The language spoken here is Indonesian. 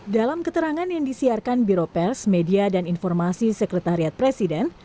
dalam keterangan yang disiarkan biro pers media dan informasi sekretariat presiden